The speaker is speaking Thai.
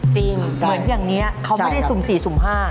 เหมือนอย่างนี้เขาไม่ได้สุ่ม๔สุ่ม๕